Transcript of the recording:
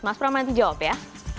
mas pram nanti jawab ya